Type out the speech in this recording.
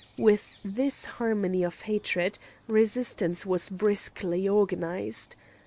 With this harmony of hatred, resistance was briskly organised.